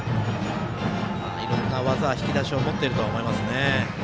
いろんな技、引き出しを持っていると思います。